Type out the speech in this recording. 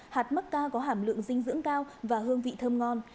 hạt macca có hàm lượng dinh dưỡng cao và hương vị thơm ngon